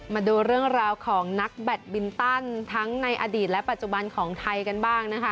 มาดูเรื่องราวของนักแบตบินตันทั้งในอดีตและปัจจุบันของไทยกันบ้างนะคะ